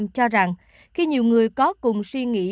cho rằng khi nhiều người có cùng suy nghĩ